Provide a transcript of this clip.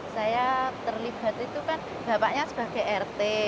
saya terlibat itu kan bapaknya sebagai rt